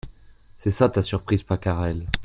C’est ça ta surprise Pacarel .